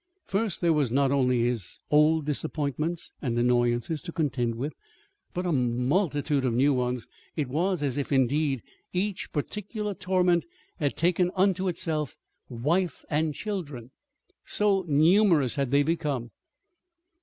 First, there were not only all his old disappointments and annoyances to contend with, but a multitude of new ones. It was as if, indeed, each particular torment had taken unto itself wife and children, so numerous had they become.